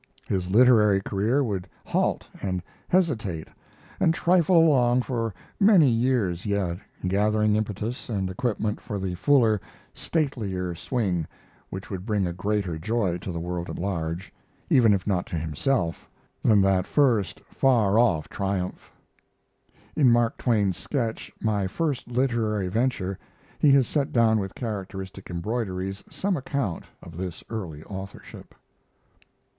His literary career would halt and hesitate and trifle along for many years yet, gathering impetus and equipment for the fuller, statelier swing which would bring a greater joy to the world at large, even if not to himself, than that first, far off triumph. [In Mark Twain's sketch "My First Literary Venture" he has set down with characteristic embroideries some account of this early authorship.